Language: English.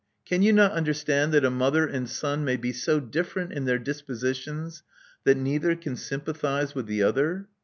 Can you not under stand that a mother and son may be so different in their dispositions that neither can sympathize with the other?